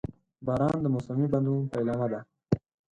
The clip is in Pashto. • باران د موسمي بدلون پیلامه ده.